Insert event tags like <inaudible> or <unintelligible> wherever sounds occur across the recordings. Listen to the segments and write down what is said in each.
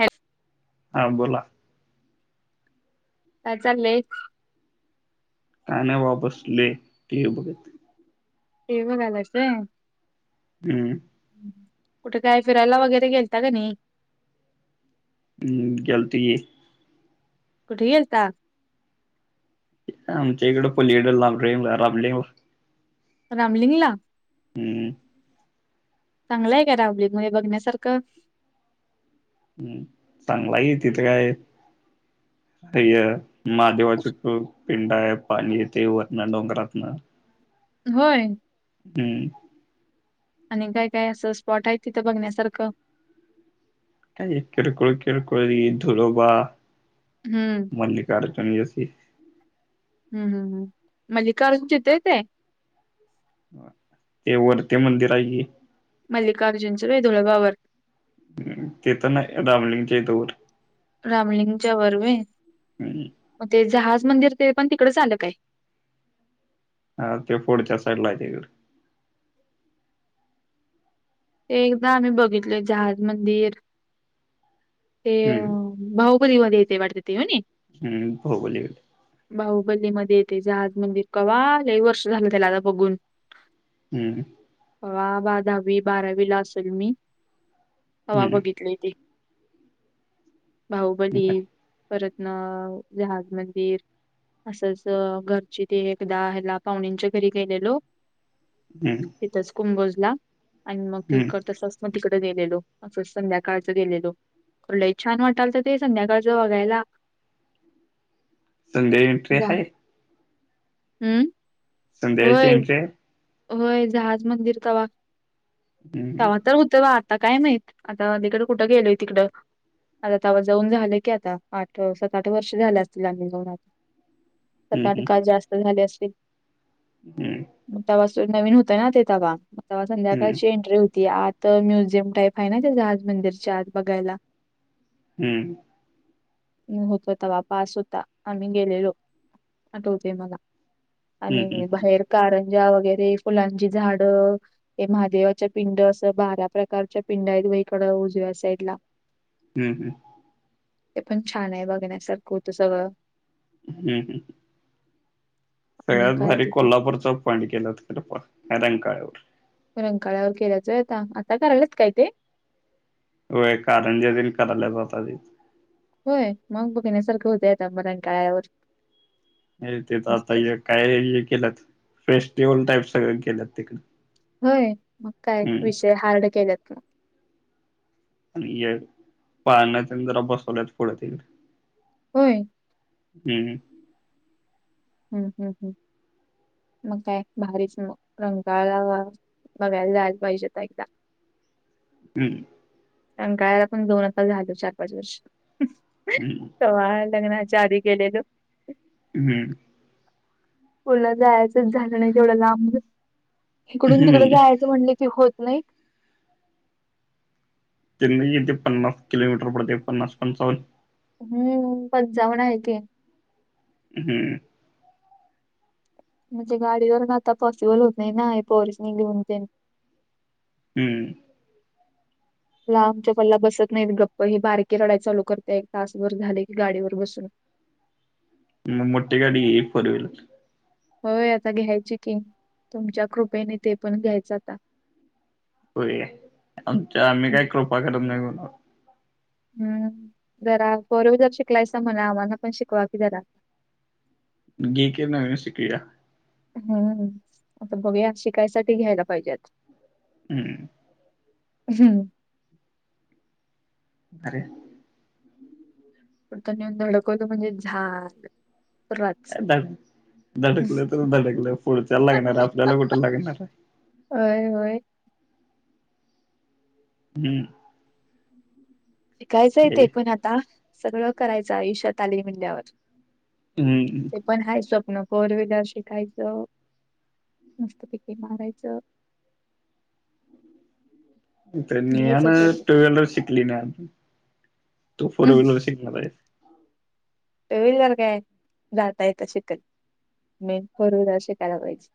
Hello हा बोला. काय चालले. काय ना बा बसले टीव्ही बघत. ते बी घालायचय. हम्म. कुठे काय फिरायला वगैरे गेलता का नाही.. हम्म गेल तीही. कुठे गेलता? आमच्या इकडे पलीकड लाब राबले. रामलिंग ला हम्म. चांगलाय का रामलिंग बघण्यासारखं हम् चांगला आहे तिथं काय <inaudible> हाय अ माहादेवाची प पिंड आहे पाणी ते व ना डोंगरात न होय. हम्म. आणि काय काय असं स्पॉट आहे, तिथं बघण्यासारखं काय किरकोळ किरकोळ धुळोबा हम्म मल्लिका अर्जुन हे असे. मल्लिका अर्जुन तिथ येत आहे. ते वर ती मंदिर आहे की मल्लिकार्जुनचं धुळोबावर ह अ ते तर नाही रामलिंगच्याेतवरर ह मग ते जहाज मंदिर ते पण तिकडच आलं काय हा ते फोडच्या साईडला आहे तेकड एकदा आम्ही बघितल जहाज मंदिर ते हम्म भाऊ कधी मध्ये येते वाढते ते हो हम्म होबोल बाहुबली मध्ये येते जहाज मंदिर कवा काही वर्ष झालं त्याला आता बघून हम्म. हवा बधावी बारावी ला असेल मी हवा हम्म बघितली तेे बाहुबली हम्म परतना जहाज मंदिर असंच घरची ते एकदा हला पाहणींच्या घरी गेलेलो हम्म तथच कुंभोजला आणि मग ते हम्म करत अस तिकडे गेलेलो असं संध्याकाळच गेलेलो. कुठलंही छान वाटाल तर ते संध्याकाळच बघायला. संज एंट्री जा आहे. हम्म. संध्यायळच होय एटे, होय जहाज मंदिर कवा्हा हम्म तवा्हा तर उत वा आता काय माहीत आता तिकडं कुठं गेलोय तिकडं आता जाऊन झालं की आता आठ सात आठ वर्ष झाल्या असतील आम्ही जाऊन आता सतठ हम्म काळ जास्त झाले असतील, हम्म, तवा नवीन होतं ना ते हम्म संध्याकाळची एंटरव्हू त आता म्युझियम टाईप आहे ना त्याच्या आज मंदिरच्या आत बघायला. हम्म, होतो ते वापस होता, आम्ही गेलेलो आठवते मला. हम्म आणि हम्म बाहेर का आहे. ज वगैरे फुलांची झाडं हे महादेवाच्या पिंड असं बारा प्रकारच्या पिंड आहेत. ईकव वजसला हम्म हम्म. ते पण छान आहे बघण्यासारखं होतं सगळं हम्म हम्. आणि सगळ्यात काय भारी तिथं कोल्हापूरच पाणी गेलं रंकाळ्यावर रंकाळ्यावर केल्याचयता आता करायलाच काय ते. होय कारंज करायला जात ते होय मग बघ येण्यासारखं होत आता मरण टळ्यावर. ते तर आता काय केलंत फेस्टिवल टाईप सगळं केलंत तिकड होय, मग काय विषय हार्ड केलेत ना आणि पाहण्याचा जरा बसवल्यात पुढं तिकडे होय, <inaudible> हम्म. हम्म हम्म हम्म. मग काय भारीच मग रंगाळा बघायला जायला पाहिजे तर एकदा <inaudible> हम्, सकाळाला पण दोन आार झालो चार पाच वर्ष हम्म स लग्ना जारी केलेलं. हम, पुला जायचंच झालं नाही तेवढं लांब इकडून तिकड हम्म जायचं म्हणलं की होत नाई <inaudible> थे पन्नास किलोमीटर पडते पन्नास पंचावन्न हम्म पण जाऊन आहे ते, हम्म, म्हणजे गाडीवरता पॉसिबल होत नाही ना पॉरिसने घेऊन ते हम्म, <inaudible> लांबच्या पल्ला बसत नाहीत गप्प ही बारकी रडाय चालू करते एक तासभर झाले की गाडीवर बसून, <inaudible> मग मोठी गाडी घे फोर व्हिलर होय आता घ्यायची कि तुमच्या कृपेने ते पण घ्यायचं आता. होय आमच्या आम्ही काय कृपा करत नाही. कोणावर हम्म, जरा फोर व्हीलर शिकलायसा म्हणा आम्हाला पण शिकवा की जरा, घे की नवीन शिकवूया हम्म आता बघूया शिकायसाठी घ्यायला पाहिजेत, हम्म, हम्, <inaudible> अरे कुठं नेऊन धडकवलं म्हणजे झालं पुराच धड धडकलं तर धडकलं पुढच्याला लागणार आहे आपल्याला कुठे लागणार आहे. होय होय हम्म शिकायचं घे ते पण आता सगळं करायचं आयुष्यात आलोय म्हणल्यावर ते हम्म पण हाय स्वप्न फोर व्हीलर शिकायचं मस्त पैकी मारायचं <unintelligible> त्या नेहान घ्यायचं ते पण टू व्हीलर शिकली नाही अजून तू फोर व्हीलर शिकणार हायस टू व्हीलर काय जाता येता शिकल. मेन फोर व्हीलर शिकायला पाहिजे,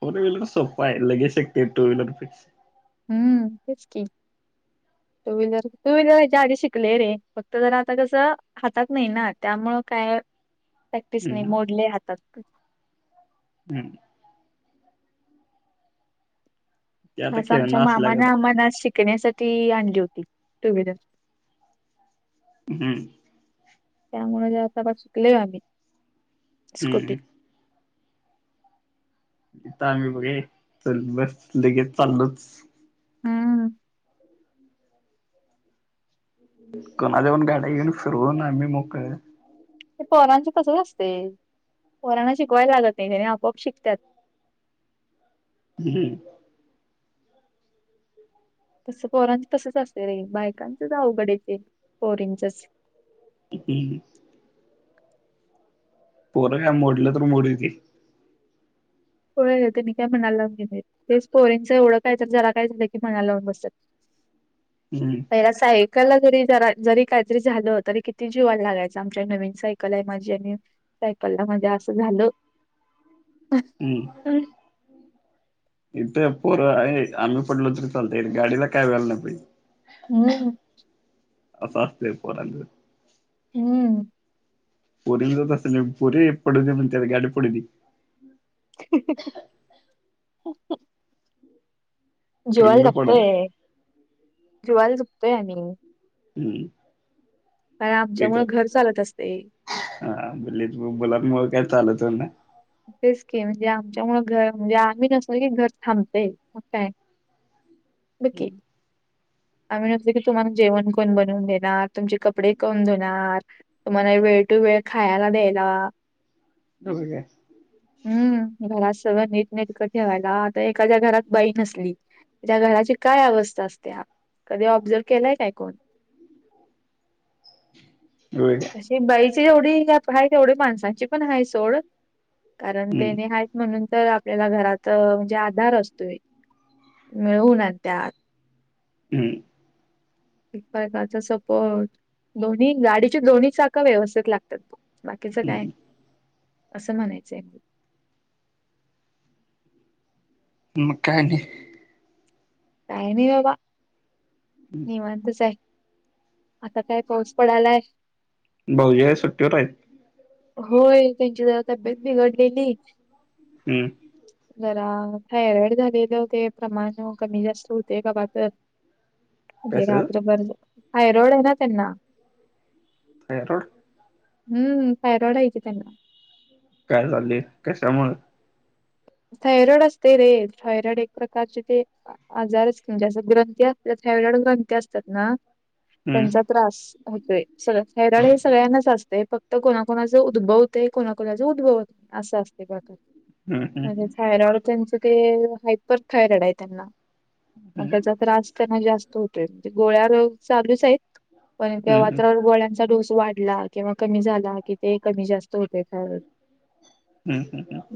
फोर विलर सोप आहे लगेच शिकते टु व्हीलर पेक्षा, हम्म तेच की, टू व्हीलर टू व्हीलर याच्या आधी शिकले रे फक्त जरा आता कस हातात नाही ना त्यामुळ काय प्रॅक्टिस नाही मोडले हातात. हम्, ते आता खास आमच्या खेळणं असल्या मामान गत आम्हाना शिकण्यासाठी ती आणली होती टु विलर. हम्म त्यामुळे थोड फार शिकलोय आम्ही स्कुटी हम्म इथ आम्ही बघ हे चल बस लगेच चालोच हम्म कुणा च्या पण गाड्या घेऊन फिरवून आम्ही मोकळ ते पोरांचं तसंच असतय पोरांना शिकवायला लागत नाही त्यांनी आपोआप शिकत्यात <unintelligible> हम तस पोरांच तसच असतय रे बायकांच च अवघड आहे ते पोरीचं च हम् पोर काय मोडल तर मोडू दे कि होय तेनी काय मनाला लावून घेत नाहीत तेच पोरीचं एवढं काय तर जरा काय झालं की मनाला लावून बसत्यात हम्म पहिला चा एक सायकला जरी जरा जरी काहीतरी झालं तरी किती जीवाला लागायच आमच्या नवीन सायकल आहे माझी आणि सायकलला माझ्या असं झालं ह हम्म इथ पोरं आहे आम्ही पडलो तरी चालतय गाडीला काय व्हायला नाही पाहिजे हम्म अस असतय पोरांचं हम्म पोरीचं तस नाही पोरी पडू दे म्हणत्यात गाडी पडू दे हा. हा.. खरं जीवाला मी पडालोय जपतोय... जीवाला जपतोय आम्ही हम्म कारण ते आमच्यामुळे तर... घर चालत असते <inaudible> काय चालत <inaudible> तेच की म्हणजे आमच्यामुळे घर म्हणजे आम्ही नसलं की घर थांबतय मग काय बघ की आम्ही नसलो की तुम्हाला जेवण कोण बनवून देणार तुमचे कपडे कोण धुणार तुम्हाला वेळ वेळेत खायला द्यायला.. होय काय हम्म.. घरासा सगळं नीटनेटकं ठेवायला आता एखाद्या घरात बाई नसली तर ज्या घराची काय अवस्था असते. कधी ऑब्झर्व केलाय काय कोण होय काय तशी बाईची येवढी गॅप आहे तेवढी माणसाची पण हाय सोड कारण हम्म तेनी हायत म्हणून तर आपल्याला घरात म्हणजे आधार असतोय मिळवून आणत्यात. हम्म. एकमेकांचा सपोर्ट दोन्ही गाडीची दोन्ही चाकं व्यवस्थित लागतात. बाकीच काय? हम्म असं म्हणायचंय. मग काय नाय. काय नाही बाबा निवांतच हाय. आता काय पाऊस पडालाय भाऊजी आहेत सुट्टीवर आहेत होय त्यांची जरा तब्येत बिघडलेली हम्म जरा थायरॉइड झालेलं ते प्रमाण कमी जास्त होतंय कवातर ते कशाचं रात्रभर थायरॉईड आहे ना त्यांना <unintelligible> हम्म थायरॉईड हाये की त्यांना. काय झाले, कशामुळ. थायरॉइड असतेय रे थायरॉइड एक प्रकारचे ते आजारच म्हणजे असं ग्रंथी असत्यात. थायरॉईड ग्रंथी असतात ना. हम्म त्यांचा त्रास होतोय सग थायरॉईड हे सगळ्यांनाच असतंय. फक्त कोणाकोणाचं उद्भवतंय कोणाकोणाच उद्भवत नाही असं असतंय <unintelligible> म्हणजे थायरॉइड त्यांचे ते हायपर थायरॉइड आहे त्यांना. अन त्याचा त्रास त्यांना जास्त होतोय म्हणजे गोळ्या रोज चालूच हायेत. पण <unintelligible> गोळ्यांचा डोस वाढला किंवा कमी झाला कि ते कमी जास्त होते थायरॉईड,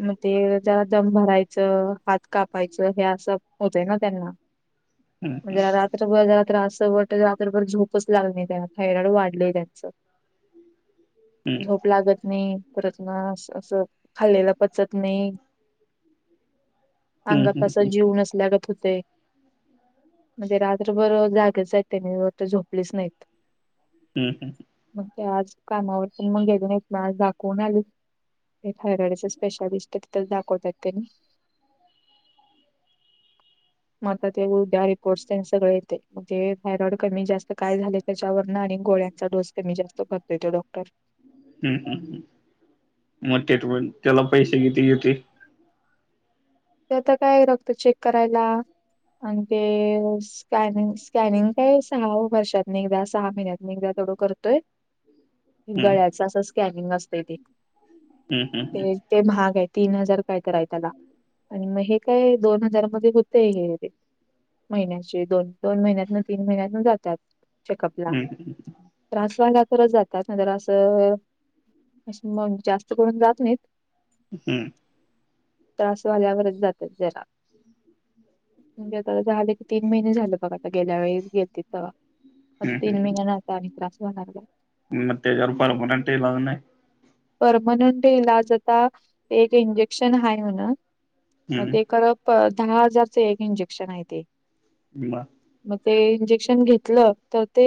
मग ते जरा दम भरायचं, हात कापायचं हे असं होतय ना त्यांना. मग म्हणजे रात्रभर जरा त्रास <unintelligible> रातभर झोपच लागली नायी थायरॉइड वाढलंय त्यांच. झोप लागत नई परत ना असं असं खाल्लेलं पचत नई. अंगात आसा जीव नसल्यागत होतंय. म्हणजे रात्रभर जागेच आहेत त्यांनी तर झोपलेच नाइत. हम् हम्म. ते आज कामावर पण मग गेले नाही मग आज दाखवून आले. ते थायरॉईडचे स्पेशालिस्ट आहे तिथच दाखवतात त्यांनी <inaudible> मग आता ते उद्या रिपोर्ट सगळे येते मग ते थायरॉइड कमी जास्त काय झाले त्याच्यावरन आणि गोळ्यांचा डोस कमी जास्त करतोये तो डॉक्टर. हम्म हम्, मोठेत पण त्याला पैसे किती घेत. आता काय रक्त चेक करायला. आणि ते स्कॅनिंग स्कॅनिंग काय सहा वर्षात एकदा, सहा महिन्यातन एकदा. येवढ करतोय. हम्म गळ्याचं असं स्कॅनिंग असते ते, हम्म हम्म ते महाग आहे. तीन हजार काय तर त्याला आणि मग हे काय दोन हजार मध्ये होतय हे ते. महिन्याची दोन दोन महिन्यात ना तीन महिन्यात ना जातात. चेकअप ला, हम्म त्रास व्हायला खरंच जातात ना तर असं जास्त करून जात नाहीत. हम्म. त्रास झाल्यावर जातात जरा <unintelligible> म्हणजे आता झाले की तीन महिने झाले बघ आता गेल्या वेळीस घेतीलं ते. आज हम्म तीन हम्म महिन्याना आता आणि त्रास होणार नाही. मग त्याच्यावर पर्मनंट इलाज नाही. परमनंट इलाज आता एक इंजेक्शन आहे म्हण. मग ते हम्म खरं तर दहा हजारचं एक इंजेक्शन आहे ते. मग मग ते इंजेक्शन घेतलं तर ते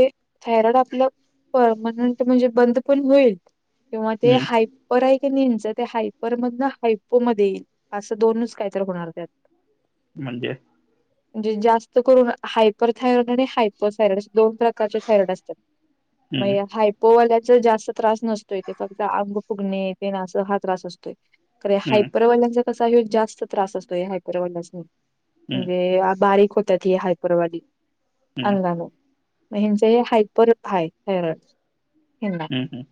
थायरॉइड आपलं परमनंट म्हणजे बंद पण होईल किंवा ते हम्म हायपर हाय तिनच हायपर मध्ये हायपो मध्ये येईल असं दोनच काहीत होणार त्यात. म्हणजे? म्हणजे जास्त करून हायपर थायरॉईड आणि हायपर थायरॉईड. दोन प्रकारचे थायरॉइड असतात म् हम्म हायपो वाल्यांच जास्त त्रास नसतो इ ते. फत अंग फुगणे तेन अस हा त्रास असतोय खरं हम्म हायपर वाल्यांचं जसा यो जास्त त्रास असतो हायपर वाल्यांनी हम्म म्हणजे बारीक होत्यात ही हायपर वाली हम्म अंगानं. म्हणजे हायपर हाय थायरॉईड. हम्म हम्.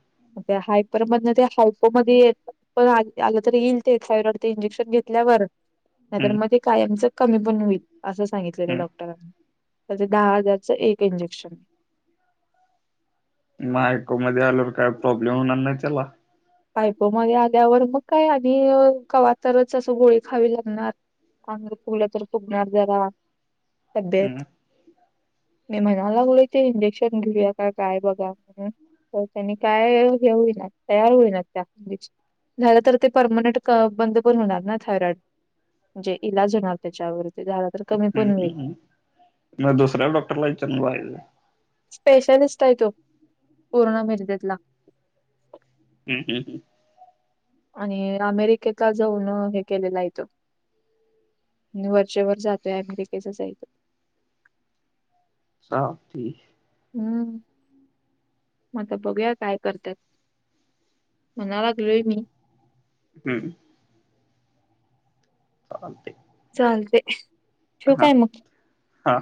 त्या हायपर मध्ये हायपो मध्ये ते आलं तर येईल ते थायरॉईड ते इंजेक्शन घेतल्यावर. नाहीतर हम्म मग ते कायमचं कमी पण होईल असं सांगितलेलं हम्म डॉक्टरांनी. त्याच्यात दहा हजारचं एक इंजेक्शन. <unintelligible> को मध्ये आल्यावर काय प्रॉब्लेम होणार नाही त्याला. <unintelligible> मगे आल्यावर मग काय आणि कवातरच असं गोळी खावी लागणार. अंग फुगल तर फुगणार जरा तब्येत. हम्म मी म्हणालो इंजेक्शन घेऊया का काय बघा म्हणून तर त्यांनी काय हे होई ना. तयार होईल त्या झालं तर ते परमनंट बंद पण होणार ना थायरॉइड. म्हणजे इलाज होणार त्याच्यावर. ह् ह म दुसऱ्या डॉक्टरला विचारून बघायचं. स्पेशलिस्ट आहे तो पूर्ण मिरजेतला. हम्म हम् हम् <inaudible> आणि अमेरिकेतला जाऊन हे केलेलं आहे इथं वरचेवर जातोय अमेरिकेचाच आहे तो <unintelligible> की हम्म.. मग बघूया काय करत्यात. म्हणा लागलोय मी हम्म चालतय. चालते ठेवू काय मग? हा